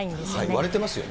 割れてますよね。